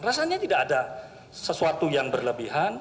rasanya tidak ada sesuatu yang berlebihan